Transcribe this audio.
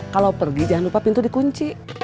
kalau pergi jangan lupa pintu dikunci